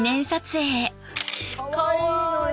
かわいいのよ